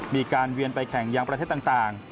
มีการเวียนไปแข่งยางประเทศต่าง